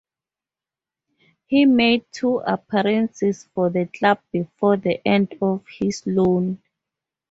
He made two appearances for the club before the end of his loan.